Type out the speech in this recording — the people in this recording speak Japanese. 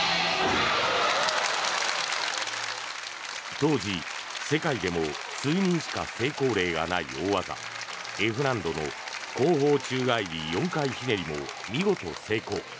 当時、世界でも数人しか成功例がない大技Ｆ難度の後方宙返り４回転ひねりも見事、成功。